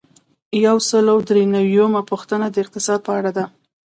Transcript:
یو سل او درې نوي یمه پوښتنه د اقتصاد په اړه ده.